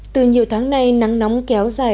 từ nhiều tháng nay nắng nóng kéo dài